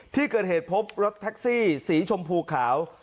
ที่เกิดเหตุพบรถแท็กซี่สีชมพูขาว